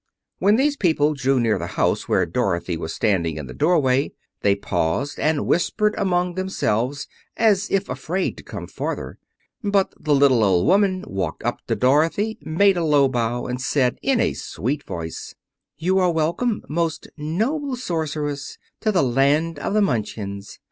When these people drew near the house where Dorothy was standing in the doorway, they paused and whispered among themselves, as if afraid to come farther. But the little old woman walked up to Dorothy, made a low bow and said, in a sweet voice: "You are welcome, most noble Sorceress, to the land of the Munchkins.